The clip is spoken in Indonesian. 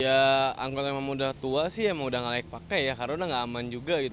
ya angkut yang udah tua sih emang udah nggak layak pakai ya karena nggak aman juga gitu